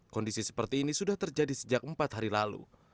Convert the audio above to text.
kondisi seperti ini sudah terjadi sejak empat hari lalu